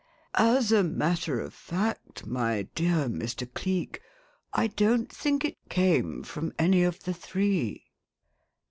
"As a matter of fact, my dear Mr. Cleek, I don't think it came from any of the three."